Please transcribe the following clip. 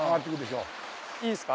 いいですか？